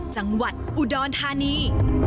จังหวัดอุดรธานี